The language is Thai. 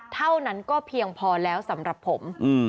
เท่านั้นก็เพียงพอแล้วสำหรับผม